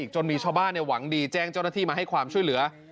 จนมีชาวบ้านหวังดีแจ้งเจ้าหน้าที่มาให้ความช่วยเหลือ